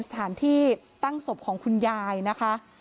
สถานที่ตั้งศพของคุณยายนะคะ